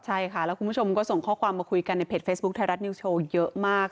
ใช่ค่ะแล้วคุณผู้ชมก็ส่งข้อความมาคุยกันในเพจเฟซบุ๊คไทยรัฐนิวโชว์เยอะมาก